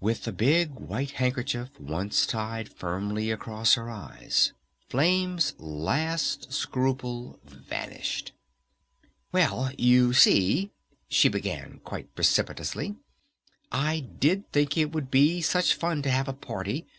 With the big white handkerchief once tied firmly across her eyes, Flame's last scruple vanished. "Well, you see," she began quite precipitously, "I did think it would be such fun to have a party!